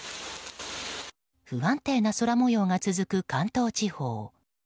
不安定な空模様が続く関東地方。